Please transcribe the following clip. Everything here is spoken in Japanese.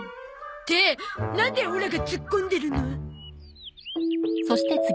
ってなんでオラがツッコんでるの？